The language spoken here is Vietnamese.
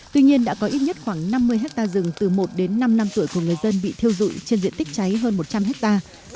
tuy nhiên đã có ít nhất khoảng năm mươi hectare rừng từ một đến năm năm tuổi của người dân bị thiêu dụi trên diện tích cháy hơn một trăm linh hectare